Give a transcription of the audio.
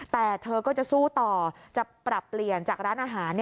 แต่เธอก็จะสู้ต่อจะปรับเปลี่ยนจากร้านอาหาร